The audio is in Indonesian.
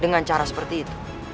dengan cara seperti itu